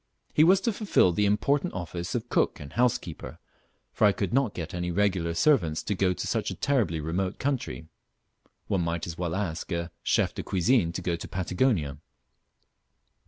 He was to fulfil the important office of cook and housekeeper, for I could not get any regular servants to go to such a terribly remote country; one might as well ask a chef de cuisine to go to Patagonia.